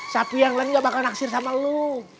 sapi yang lain gak bakal naksir sama lo